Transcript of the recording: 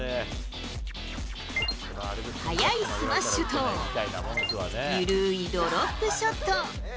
速いスマッシュと、緩いドロップショット。